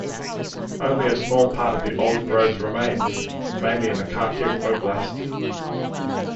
Only a small part of the old groves remains, mainly in the Kharkiv Oblast.